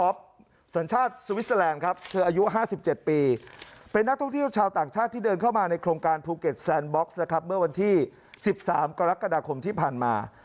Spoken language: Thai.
บริเวณวันที่สิบสามกรกฎาคมที่ผ่านมา